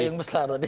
payung besar tadi